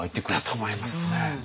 だと思いますね。